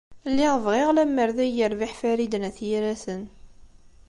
Lliɣ bɣiɣ lemmer d ay yerbiḥ Farid n At Yiraten.